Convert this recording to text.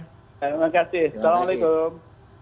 terima kasih assalamu'alaikum